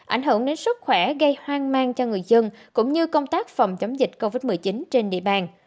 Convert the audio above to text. ảnh hưởng đến sức khỏe gây hoang mang cho người dân cũng như công tác phòng chống dịch covid một mươi chín trên địa bàn